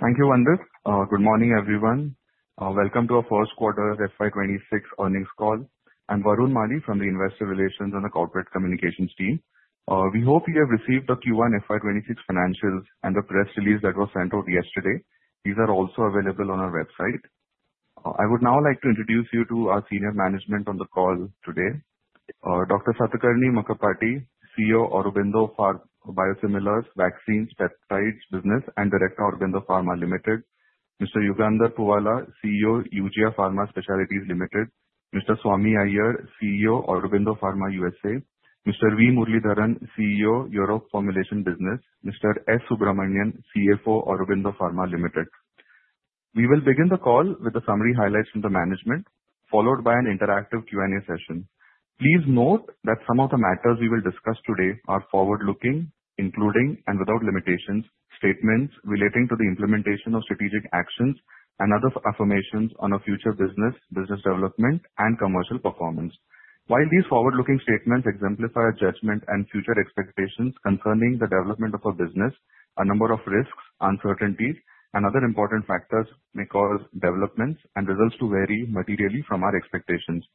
Thank you, Andis. Good morning, everyone. Welcome to our first quarter FY 2026 earnings call. I'm Varun Mali from Investor Relations on the Corporate Communications team. We hope you have received the Q1 FY 2026 financials and the press release that was sent out yesterday. These are also available on our website. I would now like to introduce you to our senior management on the call today: Dr. Satakarni Makkapati, CEO of Biosimilars, Vaccines & Peptides Business and Director of Aurobindo Pharma Limited, Mr. Yugandhar Puvvala, CEO, Eugia Pharma Specialties Limited, Mr. Swami Iyer, CEO, Aurobindo Pharma USA, Mr. V. Muralidharan, CEO, Europe Formulations Business, Mr. S. Subramanian, CFO, Aurobindo Pharma Limited. We will begin the call with the summary highlights from the management, followed by an interactive Q&A session. Please note that some of the matters we will discuss today are forward-looking, including and without limitations, statements relating to the implementation of strategic actions and other affirmations on our future business, business development, and commercial performance. While these forward-looking statements exemplify our judgment and future expectations concerning the development of our business, a number of risks, uncertainties, and other important factors may cause developments and results to vary materially from our expectations.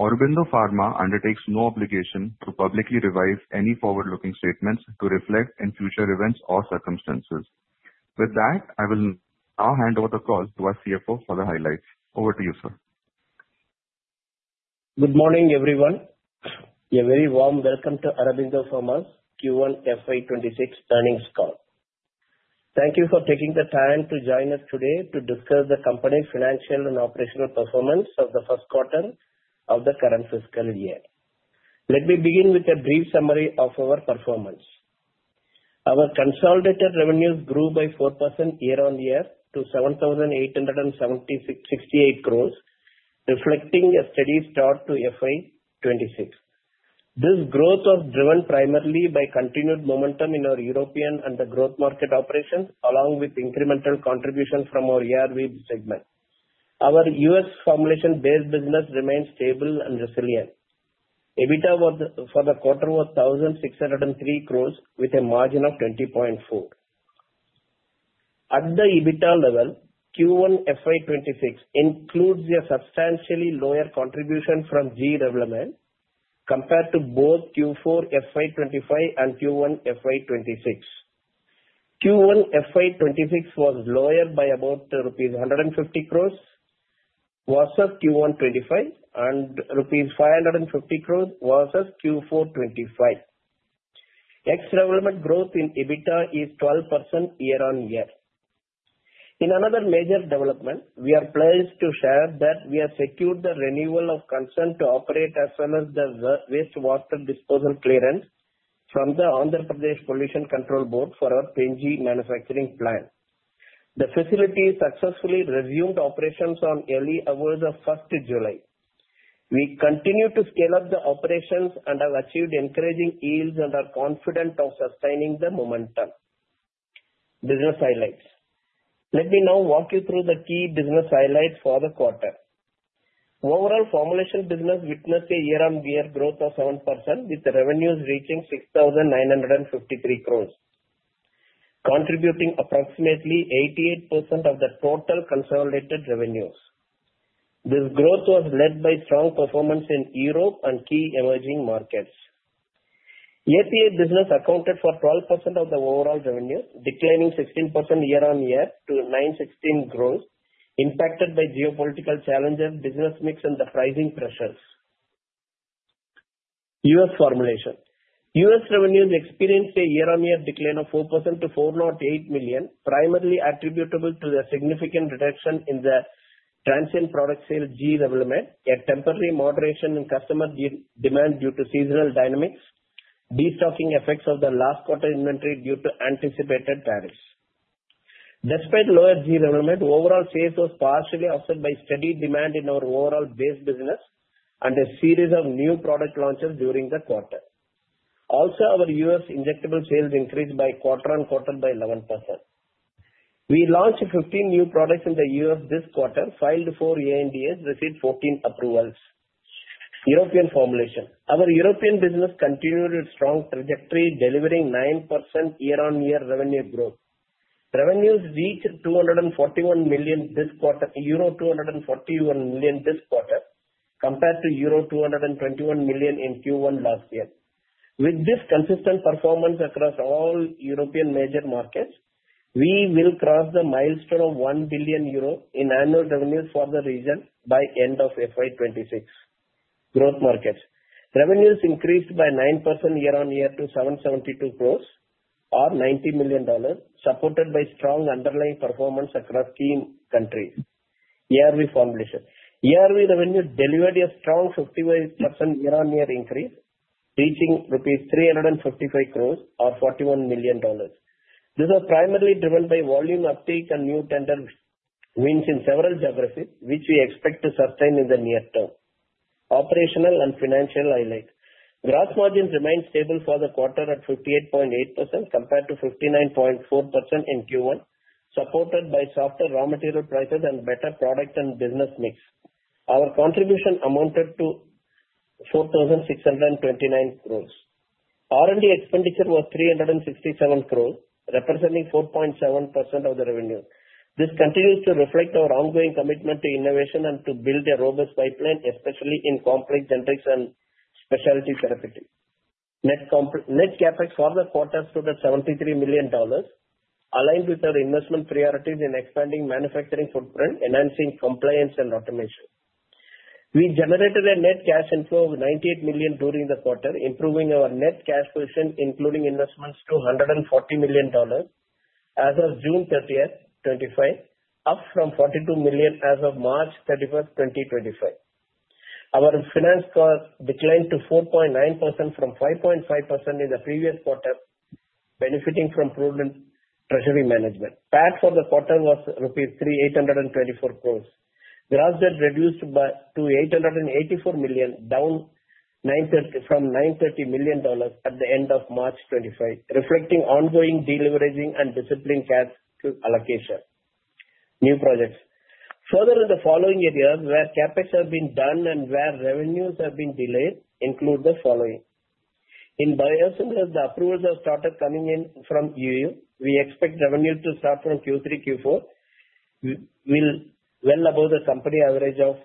Aurobindo Pharma Limited undertakes no obligation to publicly revise any forward-looking statements to reflect in future events or circumstances. With that, I will now hand over the call to our CFO for the highlights. Over to you, sir. Good morning, everyone. A very warm welcome to Aurobindo Pharma Limited's Q1 FY 2026 earnings call. Thank you for taking the time to join us today to discuss the company's financial and operational performance of the first quarter of the current fiscal year. Let me begin with a brief summary of our performance. Our consolidated revenues grew by 4% year-on-year to 7,878 crores, reflecting a steady start to FY 2026. This growth was driven primarily by continued momentum in our European and the growth market operations, along with incremental contributions from our ERV segment. Our U.S. formulation-based business remains stable and resilient. EBITDA for the quarter was 1,603 crores, with a margin of 20.4%. At the EBITDA level, Q1 FY 2026 includes a substantially lower contribution from generic Revlimid compared to both Q4 FY 2025 and Q1 FY 2025. Q1 FY 2026 was lower by about rupees 150 crores versus Q1 FY 2025 and INR 550 crores versus Q4 FY 2025. Extra revenue growth in EBITDA is 12% year-on-year. In another major development, we are pleased to share that we have secured the renewal of consent to operate as well as the wastewater disposal clearance from the Andhra Pradesh Pollution Control Board for our PNG manufacturing plant. The facility successfully resumed operations on early hours of 1 July. We continue to scale up the operations and have achieved encouraging yields and are confident of sustaining the momentum. Business highlights. Let me now walk you through the key business highlights for the quarter. Overall, formulation business witnessed a year-on-year growth of 7%, with revenues reaching 6,953 crores, contributing approximately 88% of the total consolidated revenues. This growth was led by strong performance in Europe and key emerging markets. API business accounted for 12% of the overall revenue, declining 16% year-on-year to 916 crores, impacted by geopolitical challenges, business mix, and the rising pressures. U.S. formulation. U.S. revenues experienced a year-on-year decline of 4% to $4.8 million, primarily attributable to a significant reduction in the transient product sales, generic Revlimid, a temporary moderation in customer demand due to seasonal dynamics, and destocking effects of the last quarter inventory due to anticipated tariffs. Despite lower generic Revlimid, overall sales were partially offset by steady demand in our overall base business and a series of new product launches during the quarter. Also, our U.S. injectable sales increased quarter on quarter by 11%. We launched 15 new products in the U.S. this quarter, filed four ANDAs, received 14 approvals. European formulation. Our European business continued its strong trajectory, delivering 9% year-on-year revenue growth. Revenues reached €241 million this quarter, compared to €221 million in Q1 last year. With this consistent performance across all European major markets, we will cross the milestone of €1 billion in annual revenues for the region by the end of FY 2026. Growth markets. Revenues increased by 9% year-on-year to 772 crores, or $90 million, supported by strong underlying performance across key countries. ERV formulation. ERV revenue delivered a strong 51% year-on-year increase, reaching rupees 355 crores, or $41 million. This was primarily driven by volume uptake and new tender wins in several geographies, which we expect to sustain in the near term. Operational and financial highlights. Gross margins remained stable for the quarter at 58.8% compared to 59.4% in Q1, supported by softer raw material prices and better product and business mix. Our contribution amounted to 4,629 crores. R&D expenditure was 367 crores, representing 4.7% of the revenue. This continues to reflect our ongoing commitment to innovation and to build a robust pipeline, especially in complex generics and specialty therapy. Net cash flow for the quarter stood at $73 million, aligned with our investment priorities in expanding manufacturing footprint, enhancing compliance, and automation. We generated a net cash inflow of $98 million during the quarter, improving our net cash position, including investments, to $140 million as of June 30, 2025, up from $42 million as of March 31, 2025. Our finance costs declined to 4.9% from 5.5% in the previous quarter, benefiting from prudent treasury management. PAT for the quarter was rupees 3,824 crores. Gross debt reduced to $884 million, down from $930 million at the end of March 2025, reflecting ongoing deleveraging and disciplined cash allocation. New projects. Further in the following areas where CAPEX has been done and where revenues have been delayed include the following. In biosimilars, the approvals have started coming in from EU. We expect revenues to start from Q3, Q4 will be well above the company average of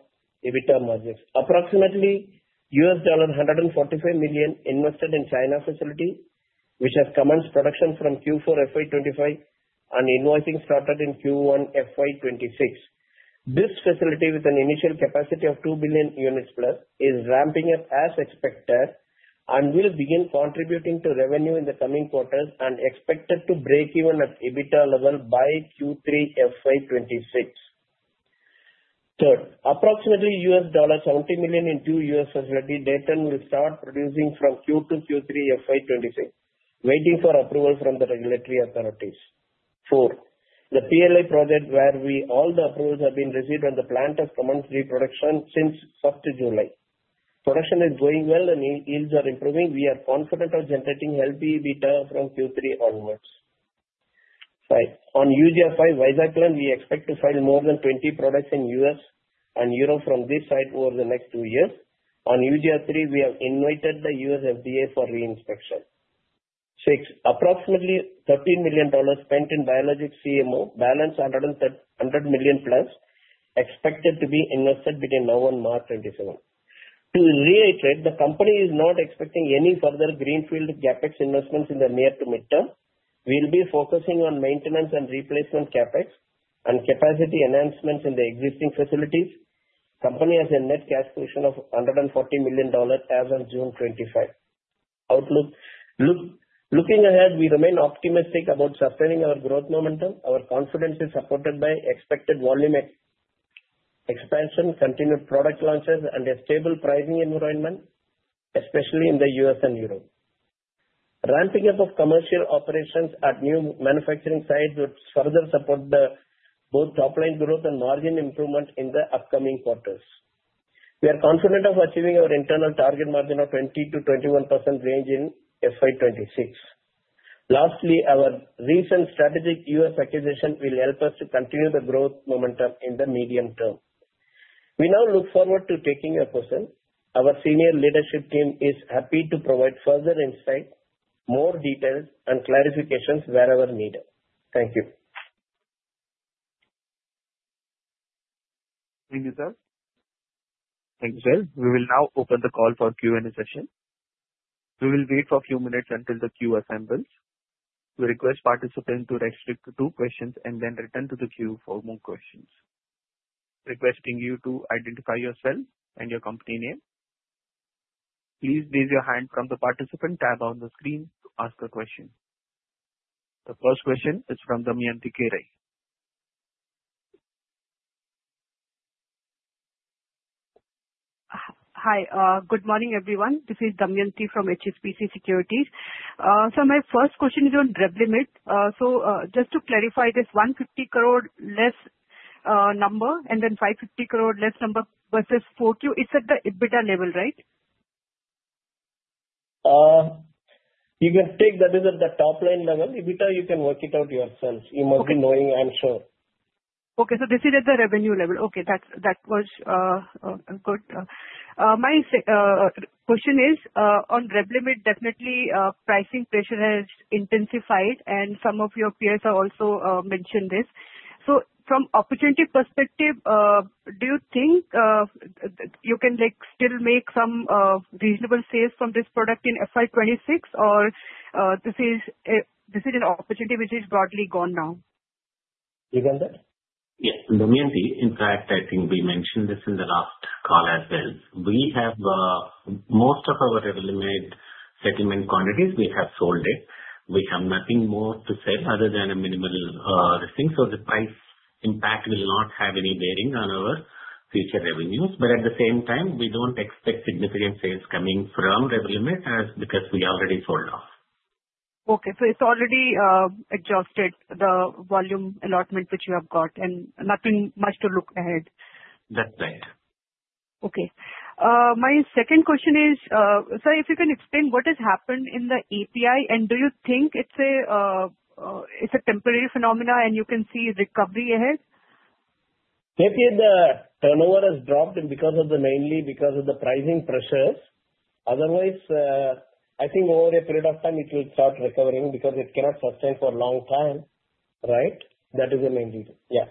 EBITDA margins. Approximately $145 million invested in China facility, which has commenced production from Q4 FY 2025, and invoicing started in Q1 FY 2026. This facility, with an initial capacity of 2 billion units plus, is ramping up as expected and will begin contributing to revenue in the coming quarters and is expected to break even at EBITDA level by Q3 FY 2026. Third, approximately $70 million in two U.S. facilities. Data will start producing from Q2 to Q3 FY 2026, waiting for approval from the regulatory authorities. Fourth, the PLI project where all the approvals have been received and the plant has commenced production since July 1. Production is going well and yields are improving. We are confident of generating healthy EBITDA from Q3 onwards. Five. On UGF 5 Weizza plant, we expect to file more than 20 products in the U.S. and Europe from this site over the next two years. On UGF 3, we have invited the U.S. FDA for reinspection. Sixth, approximately $13 million spent in biologics CMO, balance $100 million plus, expected to be invested between now and March 2027. To reiterate, the company is not expecting any further greenfield CAPEX investments in the near to midterm. We'll be focusing on maintenance and replacement CAPEX and capacity enhancements in the existing facilities. The company has a net cash position of $140 million as of June 2025. Outlook. Looking ahead, we remain optimistic about sustaining our growth momentum. Our confidence is supported by expected volume expansion, continued product launches, and a stable pricing environment, especially in the U.S. and Europe. Ramping up of commercial operations at new manufacturing sites would further support both top-line growth and margin improvements in the upcoming quarters. We are confident of achieving our internal target margin of 20% to 21% range in FY 2026. Lastly, our recent strategic U.S. acquisition will help us to continue the growth momentum in the medium term. We now look forward to taking your questions. Our senior leadership team is happy to provide further insight, more details, and clarifications wherever needed. Thank you. Thank you, sir. Thank you, sir. We will now open the call for Q&A session. We will wait for a few minutes until the queue assembles. We request participants to register two questions and then return to the queue for more questions. Requesting you to identify yourself and your company name. Please raise your hand from the participant tab on the screen to ask a question. The first question is from Damayanti Kerai. Hi. Good morning, everyone. This is Damayanti from HSBC Securities. My first question is on debt limit. Just to clarify, this 150 crore less number and then 550 crore less number versus 4Q, it's at the EBITDA level, right? You can take that as the top-line level. EBITDA, you can work it out yourselves. You must be knowing, I'm sure. Okay. This is at the revenue level. That was good. My question is, on debt limit, definitely pricing pressure has intensified, and some of your peers have also mentioned this. From an opportunity perspective, do you think you can still make some reasonable sales from this product in FY 2026, or is this an opportunity which is broadly gone now? Yes, Damayanti. In fact, I think we mentioned this in the last call as well. We have most of our generic Revlimid settlement quantities. We have sold it. We have nothing more to sell other than a minimal listing. The price impact will not have any bearing on our future revenues. At the same time, we don't expect significant sales coming from generic Revlimid because we already sold off. Okay. It's already adjusted, the volume allotment which you have got, and nothing much to look ahead. That's right. Okay. My second question is, sir, if you can explain what has happened in the API, and do you think it's a temporary phenomenon and you can see recovery ahead? API, the turnover has dropped mainly because of the pricing pressures. Otherwise, I think over a period of time, it will start recovering because it cannot sustain for a long time, right? That is the main reason. Yeah.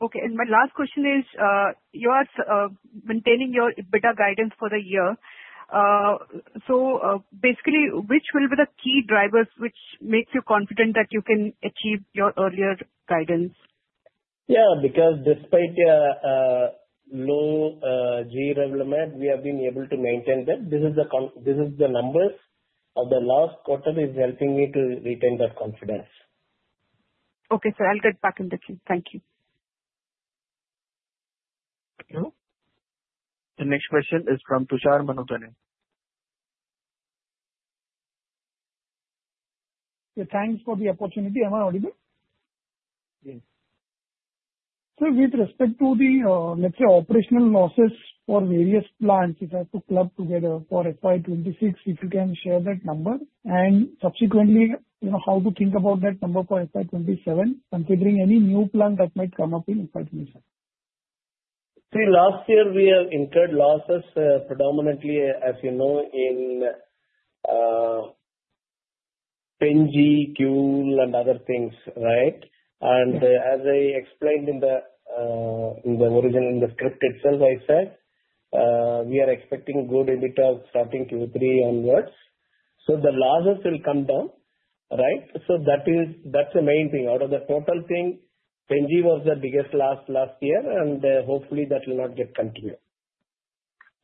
Okay. My last question is, you are maintaining your EBITDA guidance for the year. Basically, which will be the key drivers which make you confident that you can achieve your earlier guidance? Yeah, because despite no generic Revlimid, we have been able to maintain them. The numbers of the last quarter are helping me to retain that confidence. Okay, sir. I'll get back on the queue. Thank you. The next question is from Tushar Manudhane. Thanks for the opportunity. Am I audible? Yes. Sir, with respect to the operational losses for various plants, if I have to club together for FY 2026, if you can share that number and subsequently, you know how to think about that number for FY 2027, considering any new plan that might come up in FY 2027. See, last year, we have incurred losses predominantly, as you know, in PNG, QUL, and other things, right? As I explained in the original script itself, I said we are expecting good EBITDA starting Q3 onwards. The losses will come down, right? That is the main thing. Out of the total thing, PNG was the biggest loss last year, and hopefully, that will not get continued.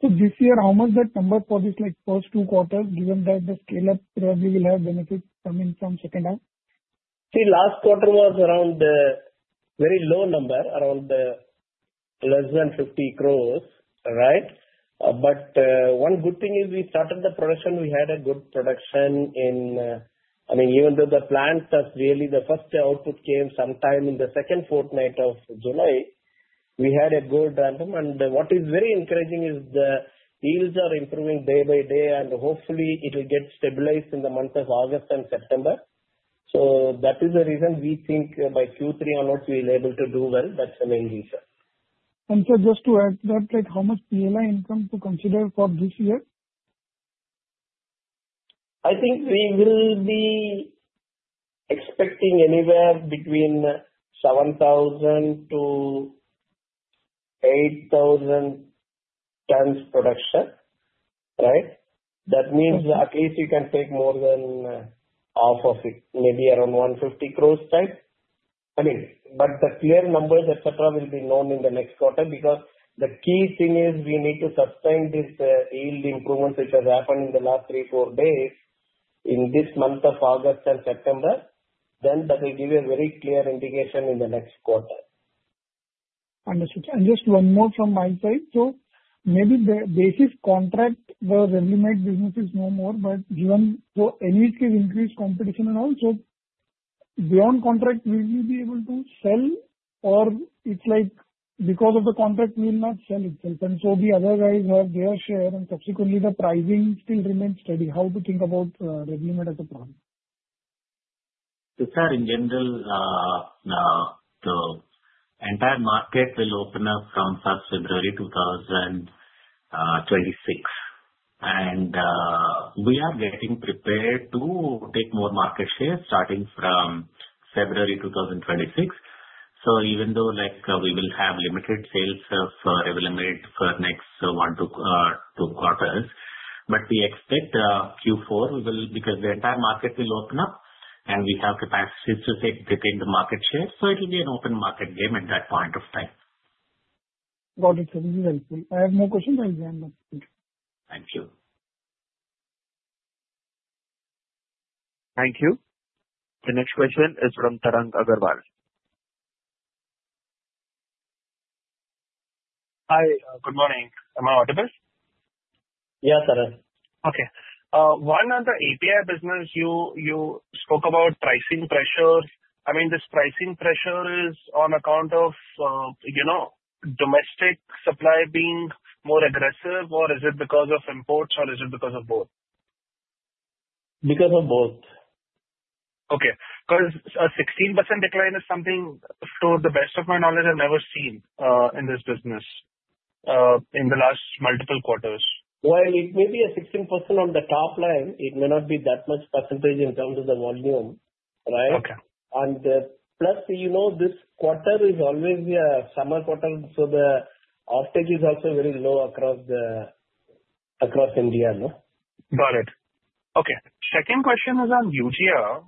This year, how much is that number for this, like, first two quarters, given that the scale-up probably will have benefits coming from the second half? See, last quarter was around the very low number, around less than 50 crore, right? One good thing is we started the production. We had a good production, I mean, even though the plant stuff, really the first output came sometime in the second fortnight of July, we had a good run. What is very encouraging is the yields are improving day by day, and hopefully, it will get stabilized in the month of August and September. That is the reason we think by Q3 onwards, we'll be able to do well. That's the main reason. Sir, just to add, like how much PLI income to consider for this year? I think we will be expecting anywhere between 7,000 to 8,000 tons production, right? That means at least you can take more than half of it, maybe around 150 crore, right? The clear numbers, etc., will be known in the next quarter because the key thing is we need to sustain this yield improvement which has happened in the last three or four days in this month of August and September. That will give you a very clear indication in the next quarter. Understood. Just one more from my side. Maybe the basis contract where revenue made businesses no more, but given any increased competition and all, beyond contract, will you be able to sell or it's like because of the contract, we'll not sell itself and the other guys have their share and subsequently the pricing still remains steady. How to think about revenue at the product? In general, the entire market will open up from February 2026. We are getting prepared to take more market shares starting from February 2026. Even though we will have limited sales of revenue for the next one to two quarters, we expect Q4 we will because the entire market will open up and we have capacity to take within the market share. It will be an open market game at that point of time. Got it, sir. This is helpful. I have more questions. I'll be on the. Thank you. Thank you. The next question is from Tarang Agarwal. Hi. Good morning. Am I audible? Yes, Tarang. Okay. One on the API business, you spoke about pricing pressures. Is this pricing pressure on account of domestic supply being more aggressive, or is it because of imports, or is it because of both? Because of both. Okay. Because a 16% decline is something, to the best of my knowledge, I've never seen in this business in the last multiple quarters. It may be a 16% on the top line. It may not be that much percentage in terms of the volume, right? Okay. Plus, you know, this quarter is always the summer quarter, so the offtake is also very low across India. Got it. Okay. Second question is on UGF.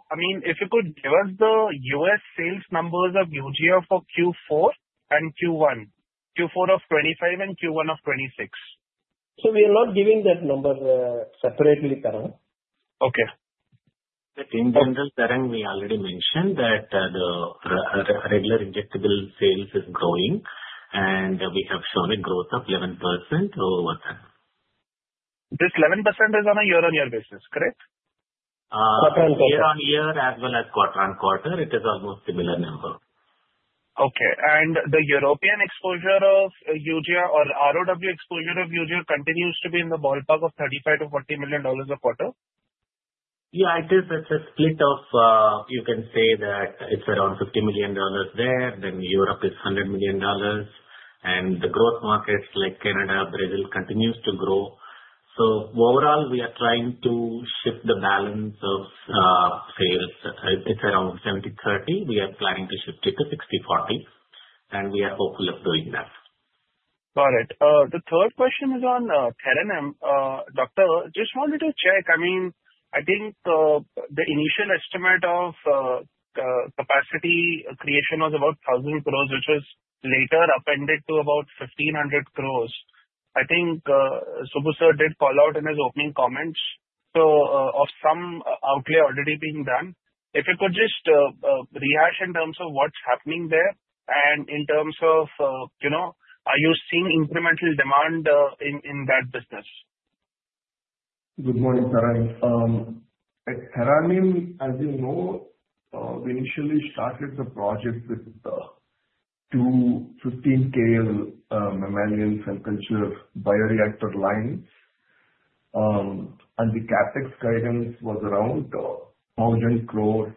If you could give us the U.S. sales numbers of UGF for Q4 and Q1, Q4 of 2025 and Q1 of 2026. We are not giving that number separately, Tarang. Okay. In general, Tarang, we already mentioned that the regular injectable sales is growing, and we have shown a growth of 11% over quarter. This 11% is on a year-on-year basis, correct? Yeah, on year as well as quarter on quarter, it is almost a similar number. Okay. The European exposure of UGF or ROW exposure of UGF continues to be in the ballpark of $35 to $40 million a quarter? Yeah, it is a split of, you can say that it's around $50 million there, Europe is $100 million, and the growth markets like Canada, Brazil continues to grow. Overall, we are trying to shift the balance of sales. It's around 70/30. We are planning to shift it to 60/40, and we are hopeful of doing that. Got it. The third question is on Petanam. Doctor, just wanted to check. I think the initial estimate of the capacity creation was about 1,000 crore, which is later appended to about 1,500 crore. I think Subbu Sir did call out in his opening comments, of some outlay already being done. If you could just rehash in terms of what's happening there and in terms of, you know, are you seeing incremental demand in that business? Good morning, Tarang. Tarang, as you know, we initially started the project with the two 15K mammalian centers by our reactor lines, and the CAPEX guidance was around 1,000 crore,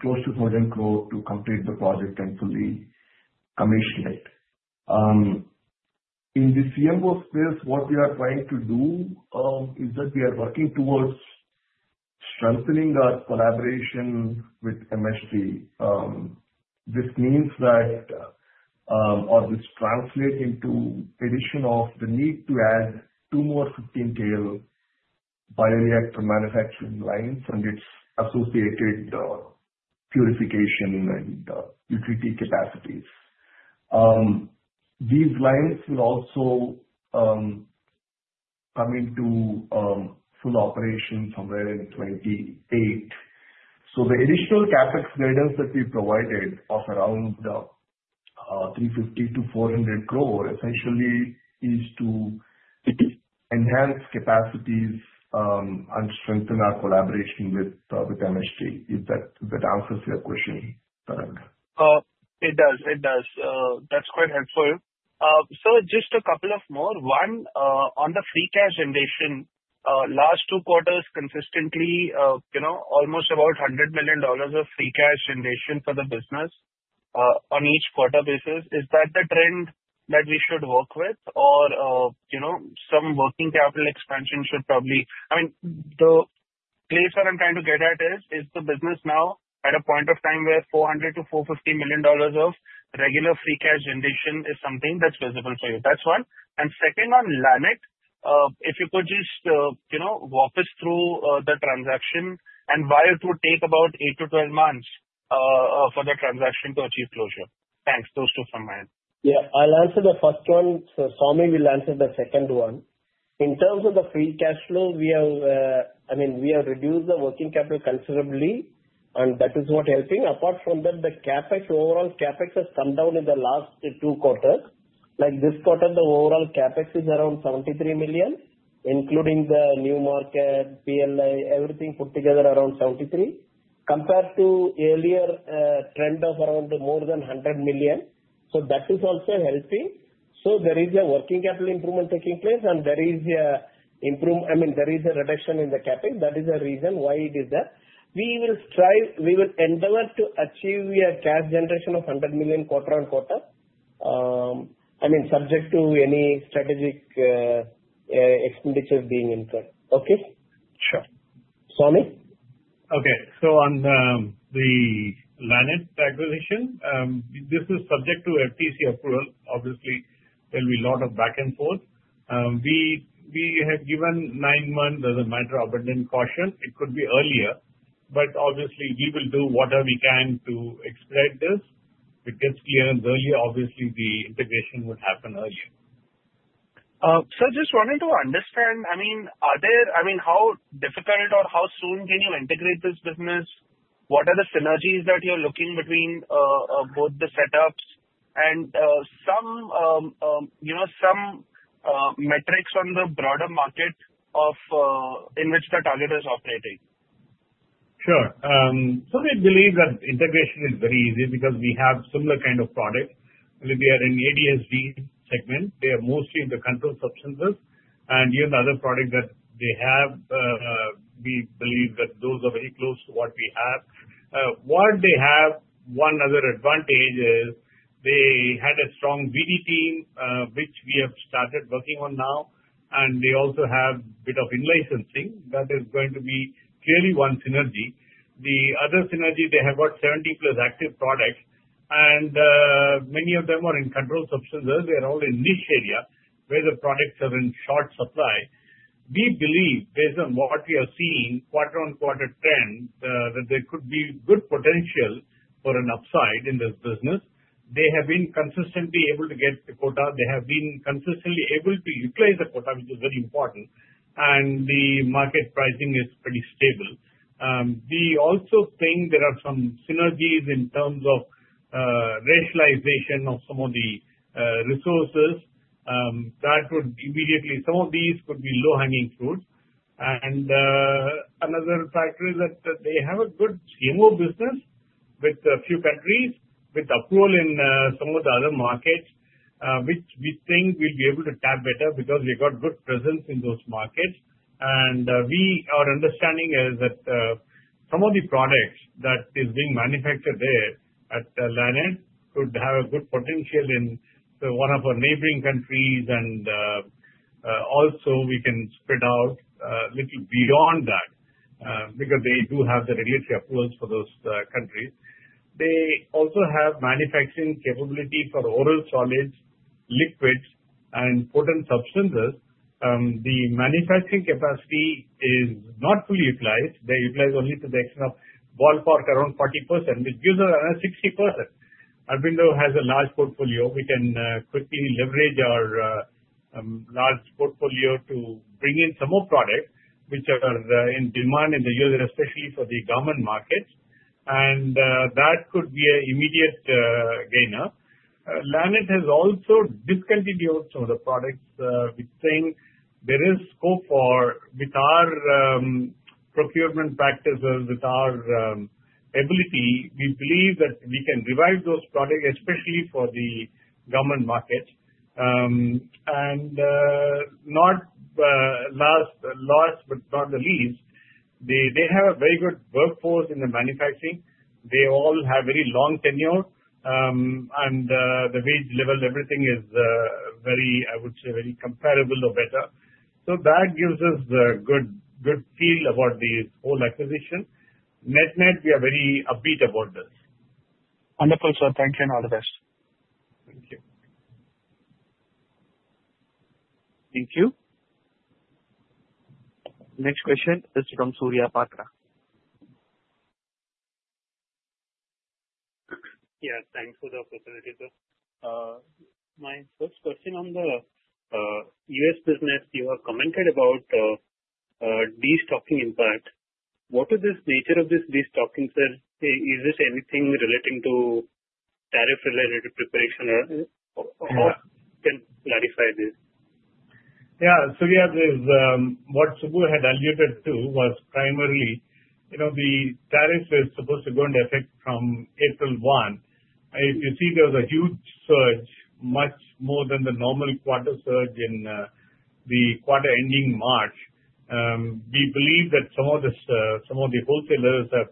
close to 1,000 crore to complete the project and fully commission it. In the CMO space, what we are trying to do is that we are working towards strengthening our collaboration with MSG. This means that, or this translates into the addition of the need to add two more 15K bioreactor manufacturing lines, and it's associated with the purification and the utility capacities. These lines will also come into full operation somewhere in 2028. The initial CAPEX guidance that we provided of around 350 to 400 crore essentially is to enhance capacities and strengthen our collaboration with MSG. Is that the answer to your question, Tarang? It does. It does. That's quite helpful. Just a couple more. One, on the free cash generation, last two quarters consistently, you know, almost about $100 million of free cash generation for the business on each quarter basis. Is that the trend that we should work with, or, you know, some working capital expansion should probably, I mean, the place that I'm trying to get at is, is the business now at a point of time where $400 to $450 million of regular free cash generation is something that's visible for you? That's one. Second, on Lannett Company, if you could just, you know, walk us through the transaction and why it would take about 8 to 12 months for the transaction to achieve closure. Thanks. Those two from my end. Yeah. I'll answer the first one. Swami will answer the second one. In terms of the free cash flow, we have reduced the working capital considerably, and that is not helping. Apart from that, the CAPEX, overall CAPEX has come down in the last two quarters. This quarter, the overall CAPEX is around $73 million, including the new market, PLI, everything put together around $73 million compared to earlier trend of around more than $100 million. That is also healthy. There is a working capital improvement taking place, and there is a reduction in the capping. That is the reason why it is there. We will strive, we will endeavor to achieve a cash generation of $100 million quarter on quarter, subject to any strategic expenditures being incurred. Okay? Sure. Swami? Okay. On the Lannett Company acquisition, this is subject to FTC approval. Obviously, there will be a lot of back and forth. We have given nine months as a micro-abundant caution. It could be earlier, but obviously, we will do whatever we can to expedite this. If it gets cleared earlier, obviously, the integration would happen earlier. I just wanted to understand, are there, I mean, how difficult or how soon can you integrate this business? What are the synergies that you're looking between both the setups, and some metrics on the broader market in which the target is operating? Sure. They believe that integration is very easy because we have a similar kind of product. We are in the ADSV segment. They are mostly in the controlled substances and use other products that they have. We believe that those are very close to what we have. What they have, one other advantage is they had a strong BD team, which we have started working on now, and they also have a bit of in-licensing. That is going to be clearly one synergy. The other synergy, they have about 70+ active products, and many of them are in controlled substances. They're all in this area where the products are in short supply. We believe, based on what we are seeing, quarter-on-quarter trend, that there could be good potential for an upside in this business. They have been consistently able to get the quota. They have been consistently able to replace the quota, which is very important. The market pricing is pretty stable. We also think there are some synergies in terms of rationalization of some of the resources. That would immediately, some of these could be low-hanging fruit. Another factor is that they have a good CMO business with a few countries with approval in some of the other markets, which we think we'll be able to tap better because we've got good presence in those markets. Our understanding is that some of the products that are being manufactured there at Lannett Company could have a good potential in one of our neighboring countries. Also, we can spread out a little beyond that because they do have the regulatory approvals for those countries. They also have manufacturing capability for oral solids, liquids, and potent substances. The manufacturing capacity is not fully utilized. They utilize only to the extent of ballpark around 40%, which gives us around 60%. Aurobindo has a large portfolio. We can quickly leverage our large portfolio to bring in some more products, which are in demand in the U.S., especially for the government markets. That could be an immediate gainer. Lannett Company has also discontinued some of the products. We think there is scope for, with our procurement practices, with our ability, we believe that we can revise those products, especially for the government markets. Not last but not the least, they have a very good workforce in the manufacturing. They all have very long tenure. The wage level, everything is very, I would say, very comparable or better. That gives us a good feel about the whole acquisition. Net net, we are very upbeat about this. Wonderful, sir. Thank you and all the best. Thank you. Thank you. Next question. It's from Surya Patra. Yeah. Thanks for the opportunity, sir. My first question on the U.S. business, you have commented about the stocking impact. What is the nature of this stocking, sir? Is this anything relating to tariff-related preparation, or can you clarify this? Yeah. What Subbu had alluded to was primarily, you know, the tariff is supposed to go in effect from April 1. If you see, there was a huge surge, much more than the normal quarter surge in the quarter ending March. We believe that some of the wholesalers have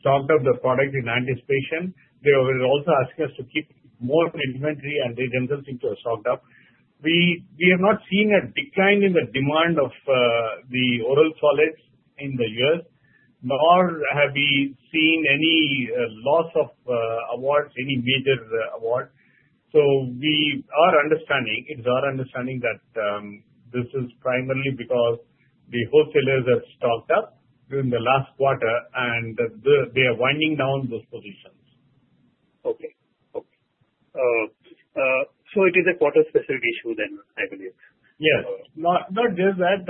stocked up the product in anticipation. They were also asking us to keep more inventory, and they themselves seem to have stocked up. We are not seeing a decline in the demand of the oral solids in the U.S., nor have we seen any loss of awards, any major award. We are understanding, it is our understanding that this is primarily because the wholesalers have stocked up during the last quarter, and they are winding down those positions. Okay. Okay. It is a quarter-specific issue then, I believe. Yes. Not just that,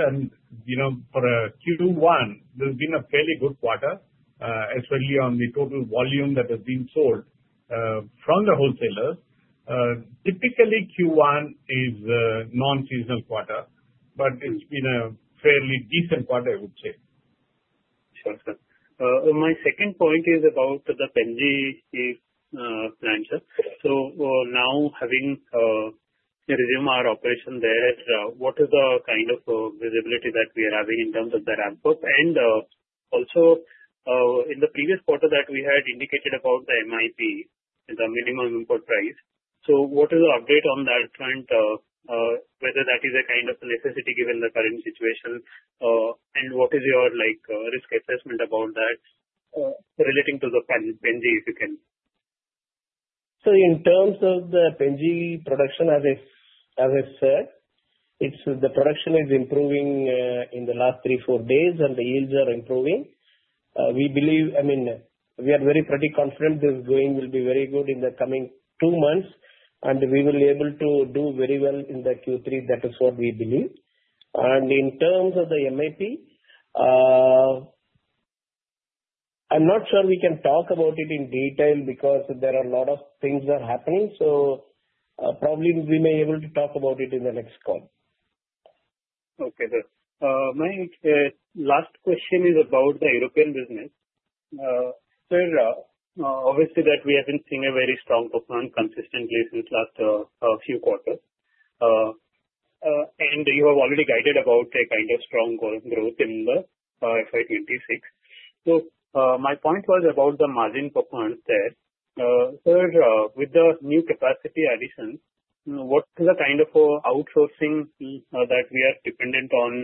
you know, for a Q2 one, there's been a fairly good quarter, especially on the total volume that has been sold from the wholesalers. Typically, Q1 is a non-seasonal quarter, but it's been a fairly decent quarter, I would say. Sure, sir. My second point is about the PNG manufacturing plant. Now, having resumed our operation there, what is the kind of visibility that we are having in terms of that output? In the previous quarter, we had indicated about the MIP, the minimum input price. What is the update on that front, whether that is a kind of necessity given the current situation, and what is your risk assessment about that relating to the PNG manufacturing plant, if you can? In terms of the PNG production, as I said, the production is improving in the last three or four days, and the yields are improving. We believe, I mean, we are very pretty confident this going will be very good in the coming two months, and we will be able to do very well in Q3. That is what we believe. In terms of the MIP, I'm not sure we can talk about it in detail because there are a lot of things that are happening. Probably we may be able to talk about it in the next call. Okay, sir. My last question is about the European business. Obviously, we have been seeing a very strong pop-on consistently since the last few quarters, and you have already guided about the kind of strong growth in FY 2026. My point was about the margin pop-ons there. Sir, with the new capacity addition, what is the kind of outsourcing that we are dependent on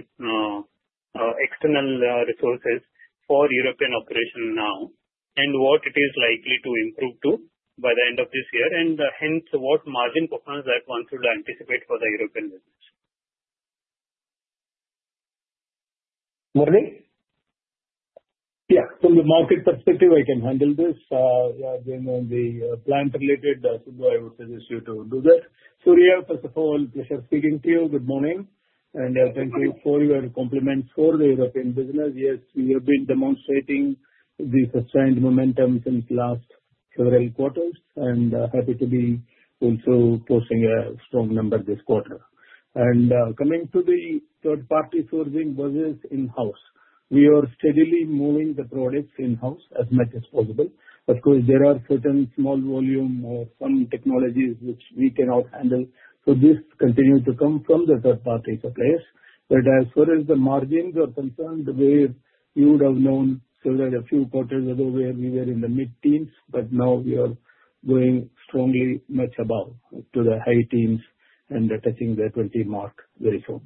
external resources for European operations now, and what is it likely to improve to by the end of this year, and hence what margin pop-ons should one anticipate for the European business? Yeah. From the market perspective, I can handle this. The plant-related, I would suggest you to do that. Sure. First of all, pleasure speaking to you. Good morning, and thank you for your compliments for the European business. Yes, you have been demonstrating the sustained momentum since the last several quarters, and happy to be going through posting a strong number this quarter. Coming to the third-party sourcing versus in-house, we are steadily moving the products in-house as much as possible. Of course, there are certain small volume of some technologies which we cannot handle, so this continues to come from the third-party suppliers. As far as the margins are concerned, you would have known several a few quarters ago where we were in the mid-teens, but now we are going strongly much above to the high teens and touching the 20% mark very soon.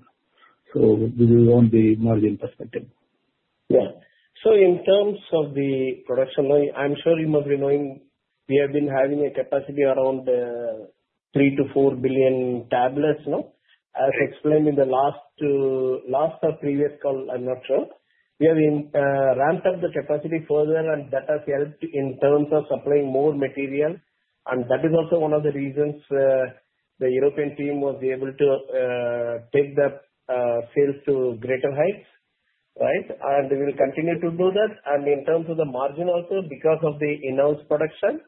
This is on the margin perspective. Got it. In terms of the production, I'm sure you must be knowing we have been having a capacity around 3 to 4 billion tablets. As explained in the last or previous call, I'm not sure, we have ramped up the capacity further, and that has helped in terms of supplying more material. That is also one of the reasons the European team was able to take the sales to greater heights, right? We will continue to do that. In terms of the margin also, because of the in-house production,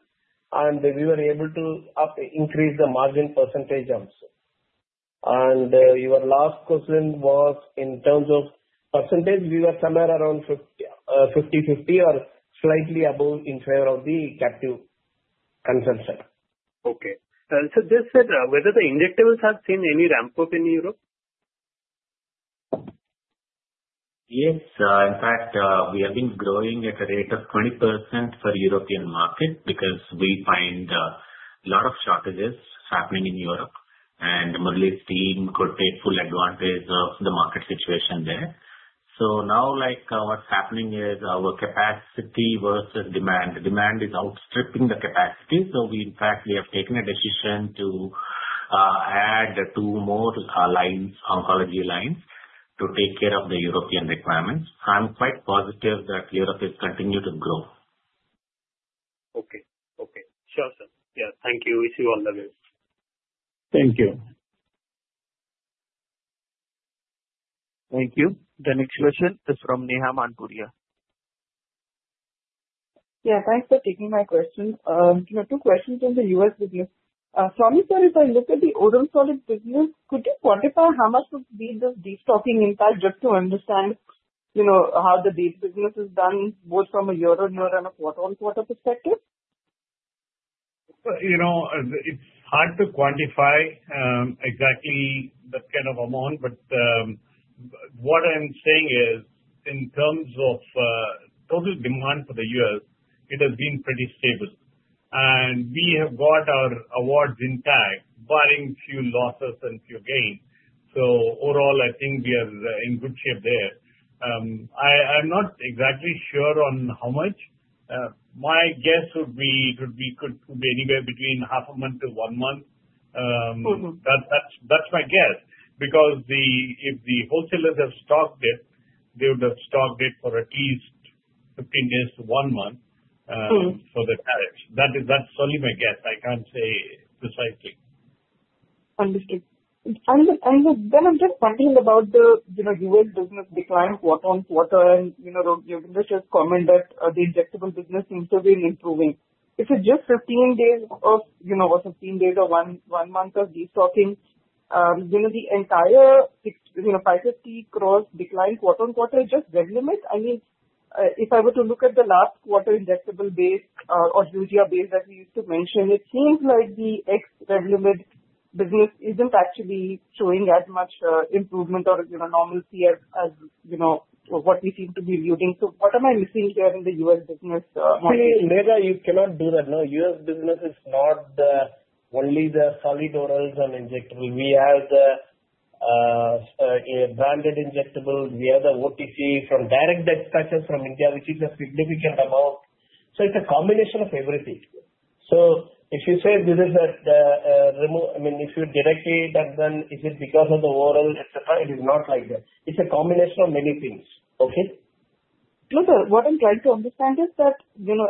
we were able to increase the margin percentage jumps. Your last question was in terms of percentage, we were somewhere around 50/50 or slightly above in favor of the captive consumption. Okay, just said whether the injectables have seen any ramp-up in Europe? Yes. In fact, we have been growing at a rate of 20% for the European market because we find a lot of shortages happening in Europe. Murali's team could take full advantage of the market situation there. Now, what's happening is our capacity versus demand. Demand is outstripping the capacity. In fact, we have taken a decision to add two more oncology lines to take care of the European requirements. I'm quite positive that Europe is continuing to grow. Okay. Okay. Sure, sir. Thank you. We see you on the way. Thank you. Thank you. The next question is from Neha Manpuria. Yeah. Thanks for taking my question. Two questions on the U.S. business. Swami, sir, if I look at the oral solid business, could you quantify how much would be the destocking impact just to understand how the date business is done both from a year-on-year and a quarter-on-quarter perspective? It's hard to quantify exactly the kind of amount, but what I'm saying is in terms of total demand for the U.S., it has been pretty stable. We have got our awards intact, barring a few losses and a few gains. Overall, I think we are in good shape there. I'm not exactly sure on how much. My guess would be it could be anywhere between half a month to one month. That's my guess because if the wholesalers have stocked it, they would have stocked it for at least 15 days to one month for the tariffs. That is only my guess. I can't say precisely. Understood. I'm just wondering about the U.S. business decline quarter on quarter, and you commented the injectable business seems to be improving. If it's just 15 days or one month of destocking, the entire 550 crore decline quarter on quarter is just generic Revlimid. I mean, if I were to look at the last quarter injectable-based or Eugia-based as we used to mention, it seems like the ex-generic Revlimid business isn't actually showing as much improvement or normalcy as what we seem to be viewing. What am I missing here in the U.S. business? Neha, you cannot do that. No, U.S. business is not only the solid orals and injectables. We have the branded injectables. We have the OTC from direct deck structures from India, which is a significant amount. It's a combination of everything. If you say this is a remote, I mean, if you dedicate and then if it's because of the oral, etc., it is not like that. It's a combination of many things. Okay. What I'm trying to understand is that, you know,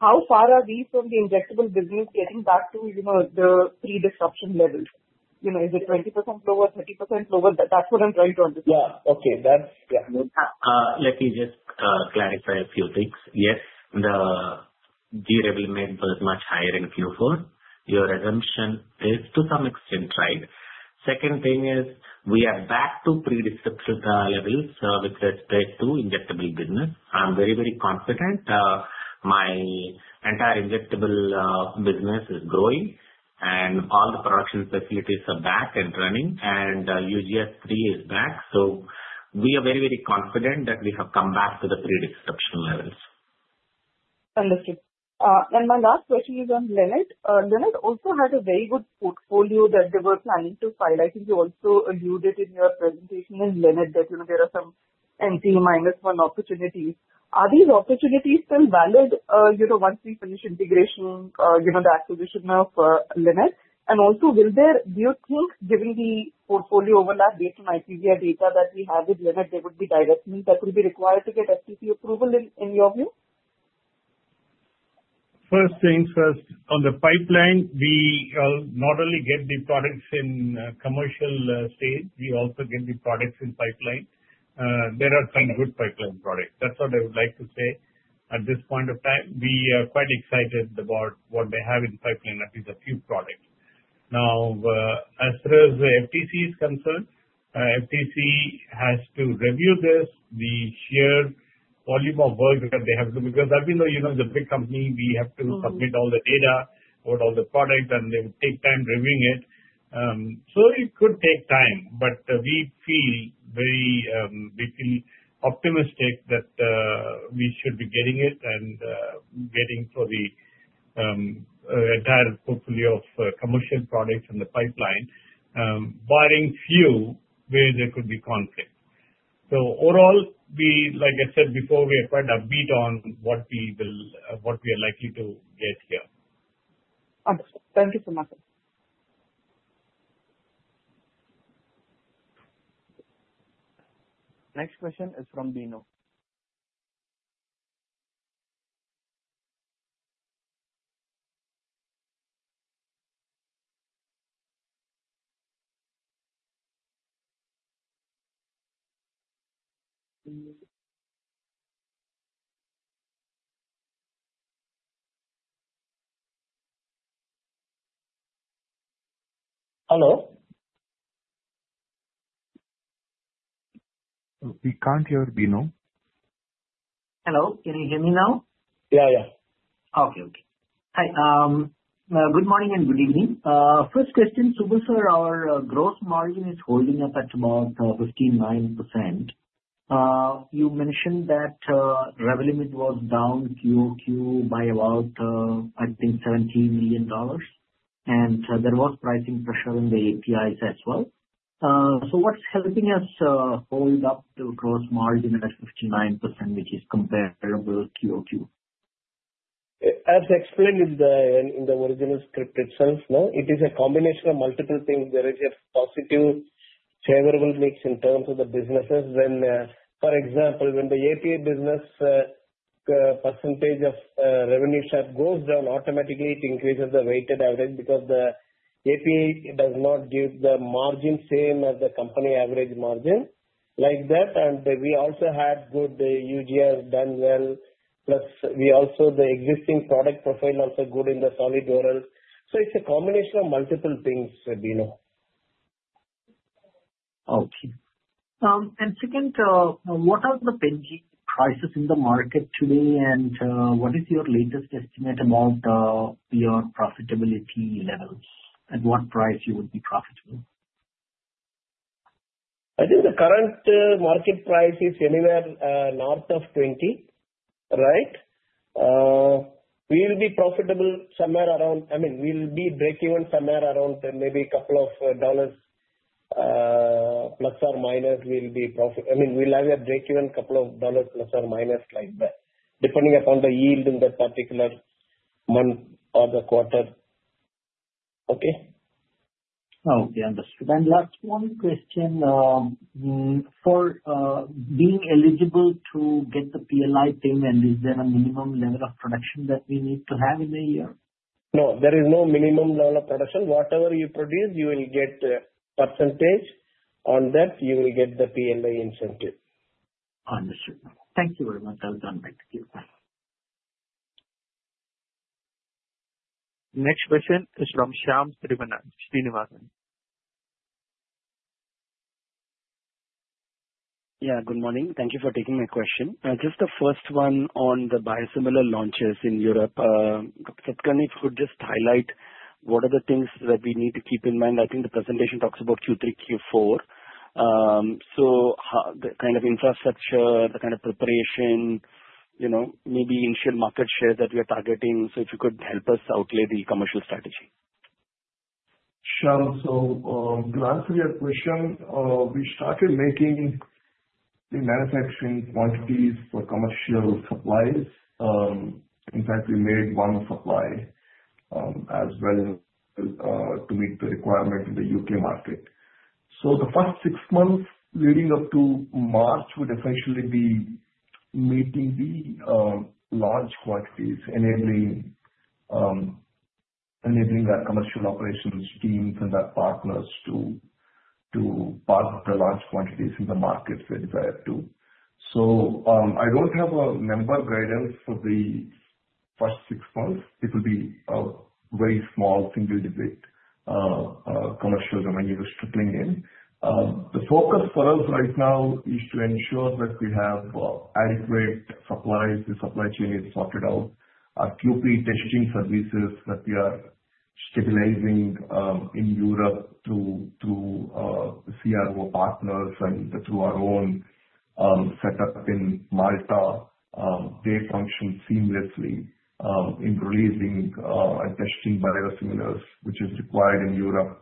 how far are we from the injectable business getting back to, you know, the pre-destruction levels? You know, is it 20% lower, 30% lower? That's what I'm trying to understand. Yeah. Okay. That's, yeah, let me just clarify a few things. Yes, the generic Revlimid revenue was much higher in Q4. Your assumption is to some extent right. Second thing is we are back to pre-disruption levels with respect to injectable business. I'm very, very confident. My entire injectable business is growing, and all the production facilities are back and running, and UGF3 is back. We are very, very confident that we have come back to the pre-disruption levels. Understood. My last question is on Lannett Company. Lannett Company also had a very good portfolio that they were planning to file. I think you also alluded in your presentation in Lannett Company that, you know, there are some NC minus one opportunities. Are these opportunities still valid once we finish integration, you know, the acquisition of Lannett Company? Also, do you think, given the portfolio overlap based on IPVR data that we have with Lannett Company, there would be directly that would be required to get FTC approval in your view? First things first, on the pipeline, we not only get the products in commercial state, we also get the products in pipeline. There are some good pipeline products. That's what I would like to say at this point of time. We are quite excited about what they have in pipeline, that is a few products. Now, as far as the FTC is concerned, FTC has to review this, the sheer volume of work that they have to do because, as we know, it's a big company. We have to submit all the data about all the products, and they would take time reviewing it. It could take time, but we feel very optimistic that we should be getting it and getting for the entire portfolio of commercial products in the pipeline, barring a few where there could be conflict. Overall, like I said before, we are quite upbeat on what we will, what we are likely to place here. Understood. Thank you so much. Next question is from Binod. Hello? We can't hear Binod. Hello, can you hear me now? Yeah, yeah. Okay. Hi. Good morning and good evening. First question, Subbu Sir, our gross margin is holding up at about 59%. You mentioned that revenue was down Q2 by about, I think, $17 million, and there was pricing pressure in the APIs as well. What's helping us hold up to a gross margin at 59%, which is comparable to Q2? As explained in the original script itself, no, it is a combination of multiple things. There is a positive, favorable mix in terms of the businesses. For example, when the API business percentage of revenue share goes down, automatically, it increases the weighted average because the API does not give the margin same as the company average margin like that. We also had good UGF done well, plus the existing product profile also good in the solid oral. It is a combination of multiple things, Binod. Okay. What are the PNG prices in the market today, and what is your latest estimate about your profitability levels? At what price would you be profitable? I think the current market price is anywhere north of $20, right? We will be profitable somewhere around, I mean, we will be breaking even somewhere around maybe a couple of dollars plus or minus. We'll be profit, I mean, we'll have a breakeven a couple of dollars plus or minus like that, depending upon the yield in the particular month or the quarter. Okay. Understood. Last one question. For being eligible to get the PLI payment, is there a minimum level of production that we need to have in the year? No, there is no minimum level of production. Whatever you produce, you will get a % on that. You will get the PLI incentive. Understood. Thank you very much. I'll come back to you. Next question is from Shyam Trivanagh. Yeah. Good morning. Thank you for taking my question. Just the first one on the biosimilar launches in Europe. If you could just highlight what are the things that we need to keep in mind. I think the presentation talks about Q3, Q4. The kind of infrastructure, the kind of preparation, maybe initial market share that we are targeting. If you could help us outlay the commercial strategy. Sure. To answer your question, we started making the manufacturing quantities for commercial supplies. In fact, we made one supply as well to meet the requirements in the UK market. The first six months leading up to March would essentially be meeting the large quantities, enabling our commercial operations teams and our partners to park the large quantities in the markets verified too. I don't have a number read out for the first six months. It will be a very small thing to do with commercials and I use the LinkedIn. The focus for us right now is to ensure that we have adequate supplies. The supply chain is sorted out. Our group testing services that we are scheduling in Europe through CRO partners and through our own setup in Malta, they function seamlessly in grazing and testing biosimilars, which is required in Europe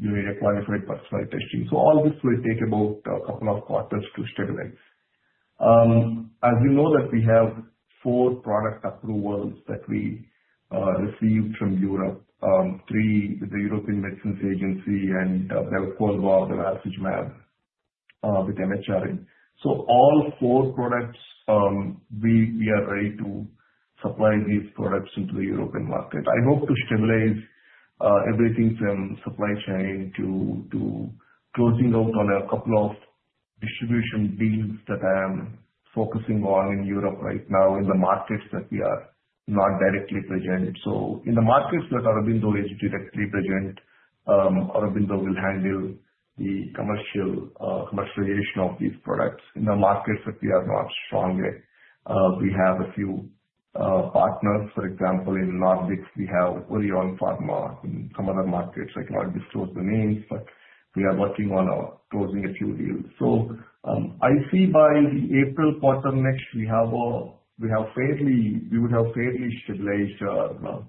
during a qualified personnel testing. All this will take about a couple of quarters to stabilize. As you know, we have four product approvals that we received from Europe, three with the European Medicines Agency and the Rheumatology Lab with MHRA. All four products, we are ready to supply these products into the European market. I hope to stabilize everything from supply chain to closing out on a couple of distribution deals that I'm focusing on in Europe right now in the markets that we are not directly present. In the markets that Aurobindo Pharma Limited is directly present, Aurobindo will handle the commercialization of these products. In the markets that we are not strong in, we have a few partners. For example, in the Nordics, we have Orion Pharma. In some other markets, I cannot disclose the names, but we are working on closing a few deals. I see by April quarter next, we would have fairly stabilized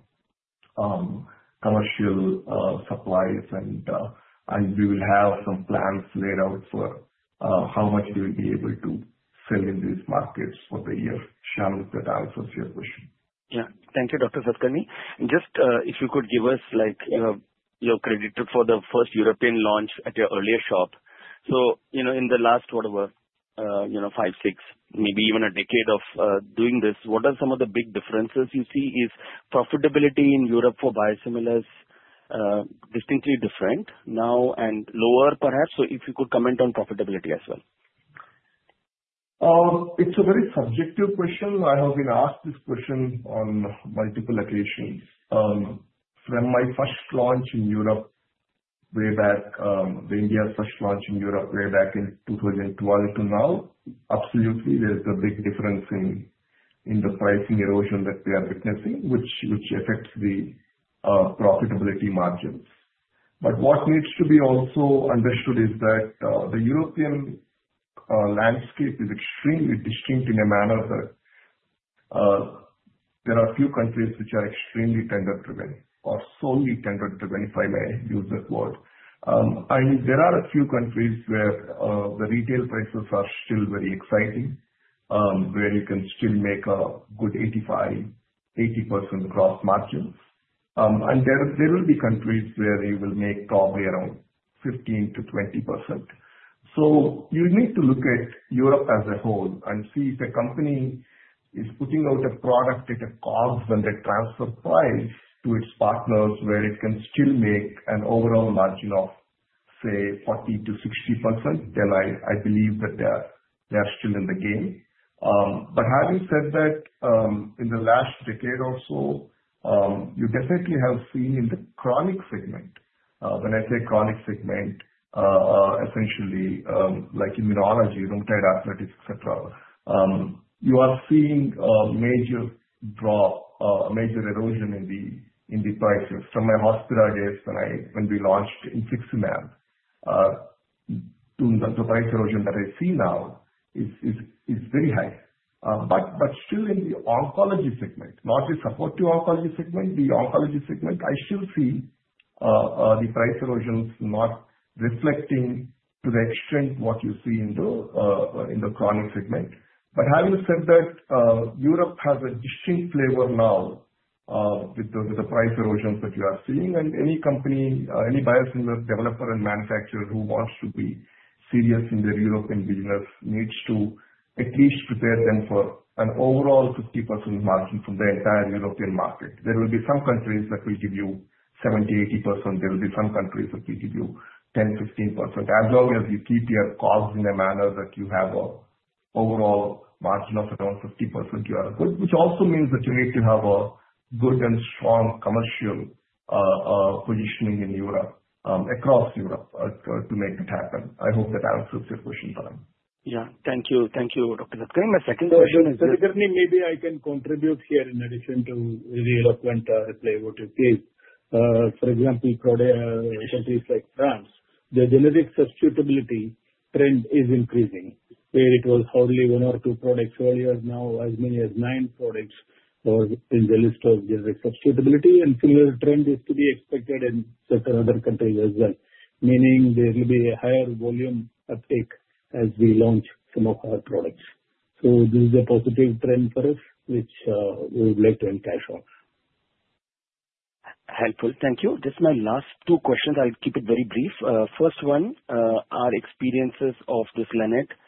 commercial supplies, and we will have some plans laid out for how much we will be able to sell in these markets for the year. Shyam, that answers your question. Yeah. Thank you, Dr. Satakarni. If you could give us your credit for the first European launch at your earlier shop. In the last, whatever, five, six, maybe even a decade of doing this, what are some of the big differences you see? Is profitability in Europe for biosimilars distinctly different now and lower, perhaps? If you could comment on profitability as well. It's a very subjective question. I have been asked this question on multiple occasions. From my first launch in Europe, way back, India's first launch in Europe, way back in 2012 to now, absolutely, there is a big difference in the pricing erosion that we are requesting, which affects the profitability margins. What needs to be also understood is that the European landscape is extremely distinct in a manner that there are a few countries which are extremely tender to many, or solely tender to many, if I may use this word. There are a few countries where the retail prices are still very exciting, where you can still make a good 85% gross margin. There will be countries where you will make probably around 15% to 20%. You need to look at Europe as a whole and see if a company is putting out a product at a cost when they transfer price to its partners where it can still make an overall margin of, say, 40% to 60%, then I believe that they are still in the game. Having said that, in the last decade or so, you definitely have seen in the chronic segment, when I say chronic segment, essentially, like immunology, rheumatoid arthritis, etc., you are seeing a major draw, a major erosion in the prices. From my hospital days when we launched in 1969, the price erosion that I see now is very high. Still, in the oncology segment, not the supportive oncology segment, the oncology segment, I still see the price erosions not reflecting to the extent what you see in the chronic segment. Having said that, Europe has a distinct flavor now with the price erosions that you are seeing. Any company, any biosimilar developer and manufacturer who wants to be serious in their European business needs to at least prepare them for an overall 50% margin from the entire European market. There will be some countries that will give you 70%, 80%. There will be some countries that will give you 10%, 15%. As long as you keep your cost in a manner that you have an overall margin of around 50%, you are good, which also means that you need to have a good and strong commercial positioning in Europe across Europe to make that happen. I hope that answers your question, Tarang. Yeah. Thank you. Thank you, Dr. Satakarni. My second question is that. Maybe I can contribute here in addition to the eloquent reply you gave. For example, like France, the generic substitutability trend is increasing, where it was hardly one or two products earlier, now as many as nine products are in the list of generic substitutability. A similar trend is to be expected in certain other countries as well, meaning there will be a higher volume uptake as we launch some of our products. This is a positive trend for us, which we would like to encourage on. Helpful. Thank you. Just my last two questions. I'll keep it very brief. First one, our experiences of this Lannett Company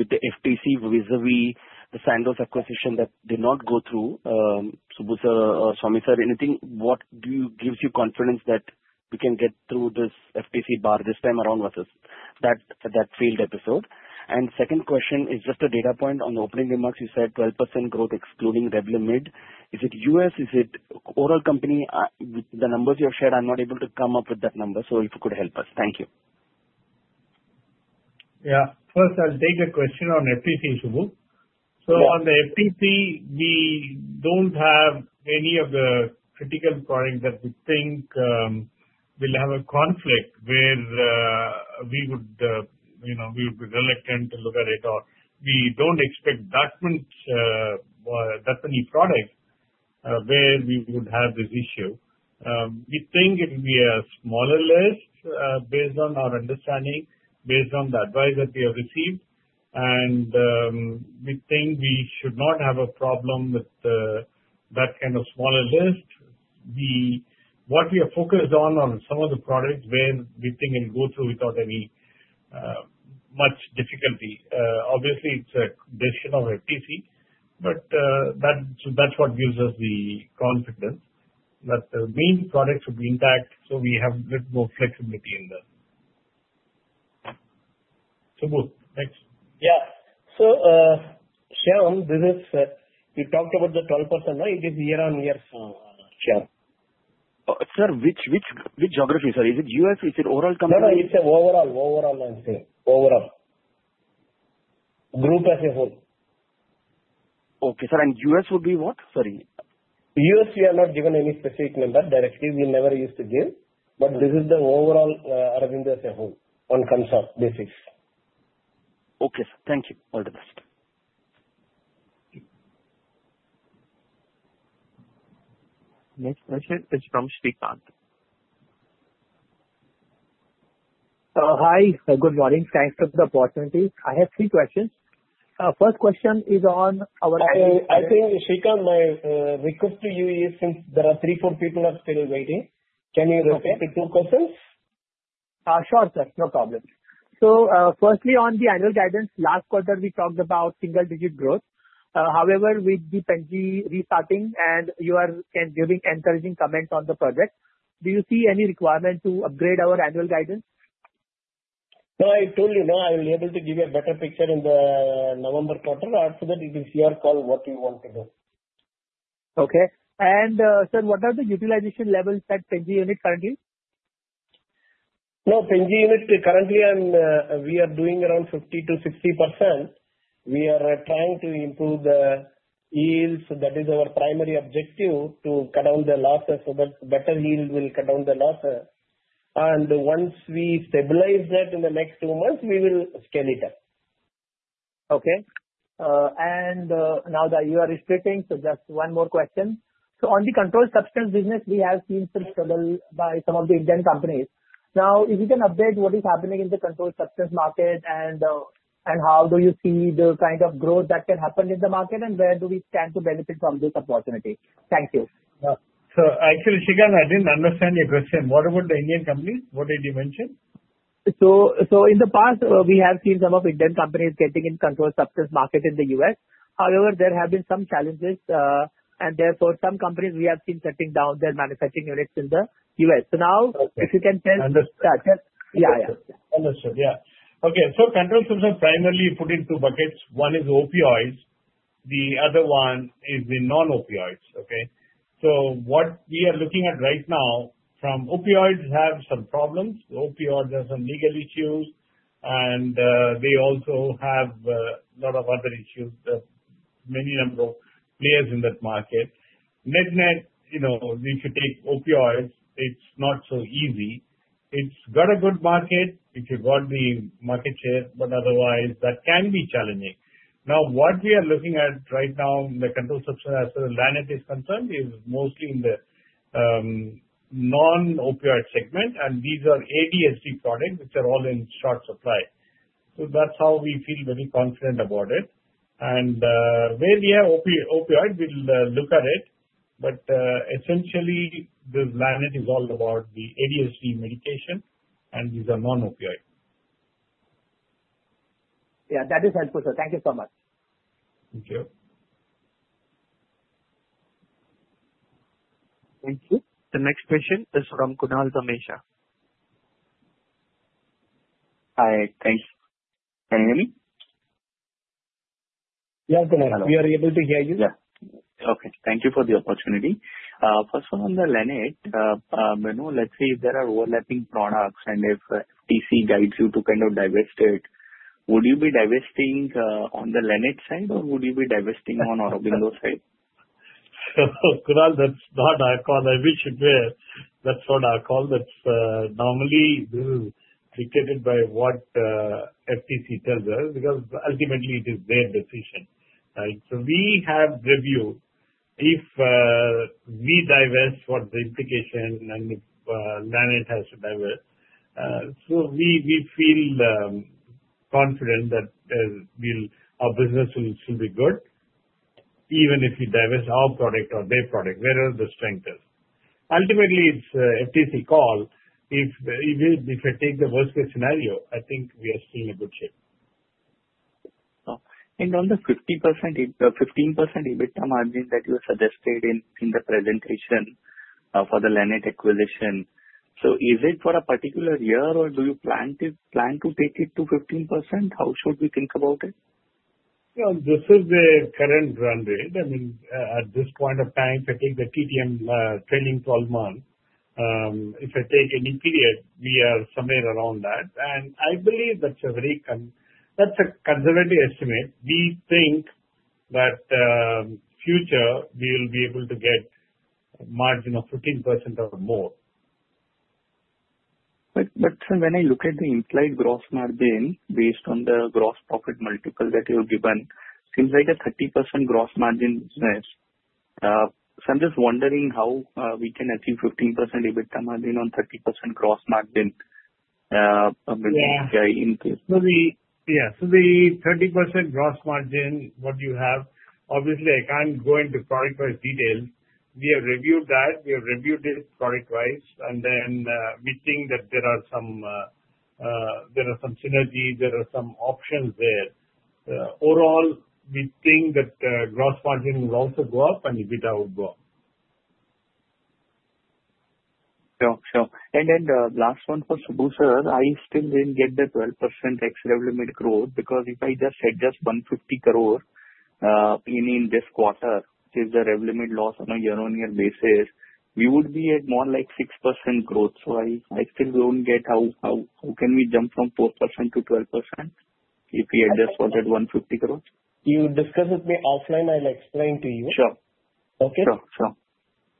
with the FTC vis-à-vis the Sandoz acquisition that did not go through. Subbu Sir, Swami Sir, anything that gives you confidence that we can get through this FTC bar this time around with us that that failed episode? Second question is just a data point on the opening remarks. You said 12% growth excluding Revlimid. Is it U.S.? Is it oral company? The numbers you have shared, I'm not able to come up with that number. If you could help us. Thank you. Yeah. First, I'll take your question on FTC, Subbu. On the FTC, we don't have any of the critical products that we think will have a conflict where we would be reluctant to look at it, or we don't expect that many products where we would have this issue. We think it will be a smaller list based on our understanding, based on the advice that we have received. We think we should not have a problem with that kind of smaller list. What we are focused on are some of the products where we think it will go through without much difficulty. Obviously, it's a decision of the FTC, but that's what gives us the confidence that the main products will be intact, so we have a bit more flexibility in there. Subbu, thanks. Yeah. Shyam, you talked about the 12%, right? It is year-on-year share. Sir, which geography, sir? Is it U.S.? Is it oral? No, it's overall. Overall, I'm saying overall, group as a whole. Okay, sir. U.S. would be what? Sorry. U.S., we are not given any specific number directly. We never used to give. This is the overall Aurobindo as a whole on concern basis. Okay, sir. Thank you. All the best. Next question, which comes to Kantesh. Hi. Good morning. Thanks for the opportunity. I have three questions. First question is on our... I think, Srikhan, my request to you is since there are three, four people who are still waiting, can you repeat the two questions? Sure, sir. No problem. Firstly, on the annual guidance, last quarter, we talked about single-digit growth. However, with the PNG restarting and you are giving encouraging comments on the project, do you see any requirement to upgrade our annual guidance? No, I told you now I will be able to give you a better picture in the November portal. Also, you can see our call, what we want to do. Okay. Sir, what are the utilization levels at PNG manufacturing plant currently? No, PNG unit currently, we are doing around 50% to 60%. We are trying to improve the yields. That is our primary objective, to cut down the losses so that better yield will cut down the losses. Once we stabilize that in the next two months, we will scale it up. Okay. Just one more question. On the controlled substance business, we have seen some trouble by some of the Indian companies. If you can update what is happening in the controlled substance market and how do you see the kind of growth that can happen in the market and where do we stand to benefit from this opportunity? Thank you. Actually, Srikhan, I didn't understand your question. What about the Indian companies? What did you mention? In the past, we have seen some of the Indian companies getting in the controlled substance market in the U.S. However, there have been some challenges, and therefore, some companies we have seen cutting down their manufacturing units in the U.S. If you can tell... Understood. Yeah, yeah. Understood. Yeah. Okay. Controlled substance is primarily put into buckets. One is the opioids, the other one is the non-opioids, okay? What we are looking at right now, some opioids have some problems. Opioids have some legal issues, and they also have a lot of other issues, so many number of players in that market. If you take opioids, it's not so easy. It's got a good market if you've got the market share, but otherwise, that can be challenging. What we are looking at right now in the controlled substance as Lannett Company is concerned is mostly in the non-opioid segment, and these are ADHD products, which are all in short supply. That's how we feel very confident about it. Where we have opioids, we'll look at it. Essentially, this Lannett Company is all about the ADHD medication, and these are non-opioids. Yeah, that is helpful, sir. Thank you so much. Thank you. Thank you. The next question is from Kunal Dhamesha. Hi, thanks. Can you hear me? Yes, Kunal, we are able to hear you. Yeah. Okay. Thank you for the opportunity. First one on the Lannett Company. Manu, let's say if there are overlapping products and if FTC guides you to kind of divest it, would you be divesting on the Lannett Company side, or would you be divesting on Aurobindo's side? Kunal, that's not our call. I wish it were. That's not our call. That's normally dictated by what the FTC tells us because ultimately, it is their decision, right? We have reviewed if we divest what the implication Lannett Company has to divest. We feel confident that our business will be good even if we divest our product or their product, wherever the strength is. Ultimately, it's the FTC's call. If I take the worst-case scenario, I think we are still in good shape. On the 15% EBITDA margin that you suggested in the presentation for the Lannett Company acquisition, is it for a particular year, or do you plan to take it to 15%? How should we think about it? Yeah. This is the current run rate. I mean, at this point of time, if I take the TTM, trailing 12 months, if I take any period, we are somewhere around that. I believe that's a very conservative estimate. We think that in the future, we will be able to get a margin of 15% or more. When I look at the implied gross margin based on the gross profit multiple that you have given, it seems like a 30% gross margin there. I'm just wondering how we can achieve 15% EBITDA margin on 30% gross margin. Yeah. The 30% gross margin, what do you have? Obviously, I can't go into product-wise detail. We have reviewed that. We have reviewed it product-wise, and then we think that there are some synergies, there are some options there. Overall, we think that gross margin will also go up and EBITDA will go up. Sure. The last one for Subbu Sir, I still didn't get the 12% ex Revlimid growth because if I just adjust 150 crore, meaning this quarter, which is the revenue mid loss on a year-on-year basis, we would be at more like 6% growth. I still don't get how can we jump from 4% to 12% if we adjust for that 150 crore? You discuss it with me offline. I'll explain to you. Sure. Okay? Sure. Sure.